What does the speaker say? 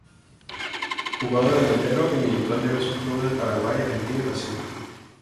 Jugó de delantero y militó en diversos clubes de Paraguay, Argentina y Brasil.